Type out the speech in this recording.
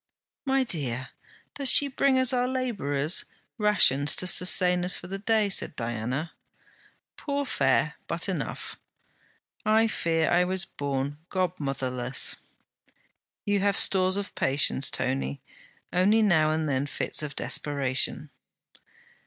'My dear, does she bring us our labourers' rations, to sustain us for the day?' said Diana.' 'Poor fare, but enough.' 'I fear I was born godmotherless.' 'You have stores of patience, Tony; only now and then fits of desperation.'